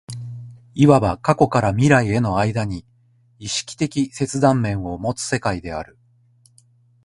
いわば過去から未来への間に意識的切断面を有つ世界である。